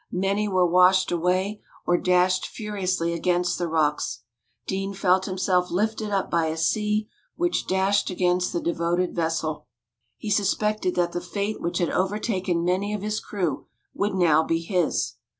Many were washed away, or dashed furiously against the rocks. Deane felt himself lifted up by a sea which dashed against the devoted vessel. He suspected that the fate which had overtaken many of his crew would now be his.